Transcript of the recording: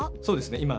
そうですね